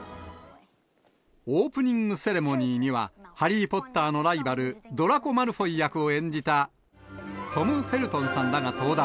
オープニングセレモニーには、ハリー・ポッターのライバル、ドラコ・マルフォイ役を演じたトム・フェルトンさんらが登壇。